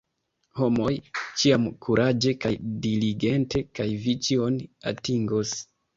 Homoj, ĉiam kuraĝe kaj diligente, kaj vi ĉion atingos!